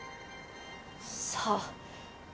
さあ。